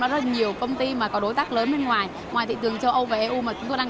rất là nhiều công ty mà có đối tác lớn bên ngoài ngoài thị trường châu âu và eu mà chúng tôi đang